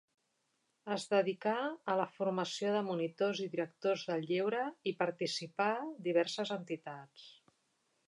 Es dedicà a la formació de monitors i directors del lleure i participà diverses entitats.